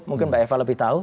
mungkin mbak eva lebih tahu